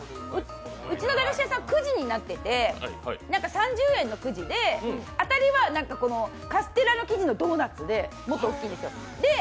うちの駄菓子屋さん、くじになっていて、３０円のくじで当たりはカステラの生地のドーナツで、もっと大きいんですよ。